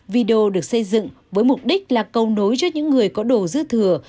video được xây dựng với mục đích là cầu nối cho những người có đồ dư thừa